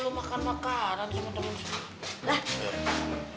lu makan makanan semua temen